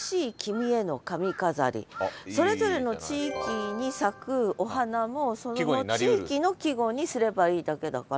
それぞれの地域に咲くお花もその地域の季語にすればいいだけだから。